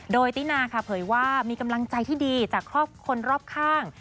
โดยตินาค่ะเผยว่ามีกำลังใจที่ดีจากคนรอบข้าง